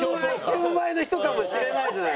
純愛の人かもしれないじゃない。